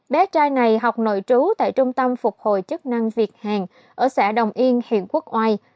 bé trai này học nội trú tại trung tâm phục hồi chức năng việt hàn ở xã đồng yên huyện quốc oai